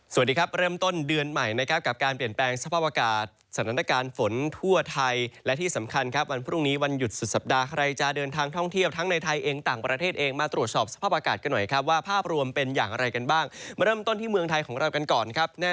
สวัสดีครับเริ่มต้นเดือนใหม่นะครับกับการเปลี่ยนแปลงสภาพอากาศสถานการณ์ฝนทั่วไทยและที่สำคัญครับวันพรุ่งนี้วันหยุดสุดสัปดาห์ใครจะเดินทางท่องเที่ยวทั้งในไทยเองต่างประเทศเองมาตรวจสอบสภาพอากาศกันหน่อยครับว่าภาพรวมเป็นอย่างไรกันบ้างมาเริ่มต้นที่เมืองไทยของเรากันก่อนครับแน่